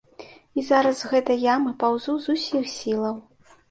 І зараз з гэтай ямы паўзу з усіх сілаў.